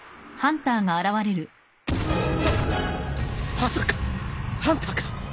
まさかハンターか！？